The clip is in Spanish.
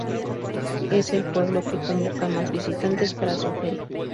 Es el pueblo que convoca más visitantes para su feria.